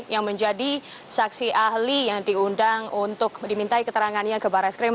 yang menjadi saksi ahli yang diundang untuk dimintai keterangannya ke barreskrim